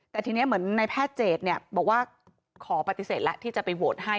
แต่ทีนี้เหมือนในแพทย์เจดบอกว่าขอปฏิเสธแล้วที่จะไปโหวตให้